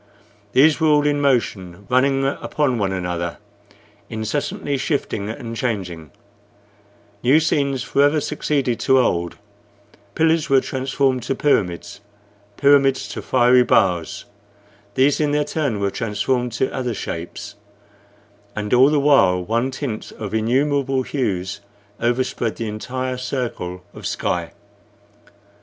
These were all in motion, running upon one another, incessantly shifting and changing; new scenes forever succeeded to old; pillars were transformed to pyramids, pyramids to fiery bars; these in their turn were transformed to other shapes, and all the while one tint of innumerable hues overspread the entire circle of the sky.